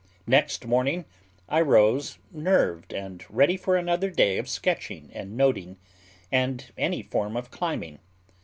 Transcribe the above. Next morning I rose nerved and ready for another day of sketching and noting, and any form of climbing.